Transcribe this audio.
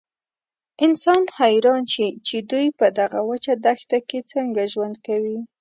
انسان حیران شي چې دوی په دغه وچه دښته کې څنګه ژوند کوي.